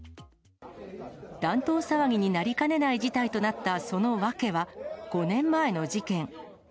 乱闘騒ぎになりかねない事態となったその訳は、５年前の事件。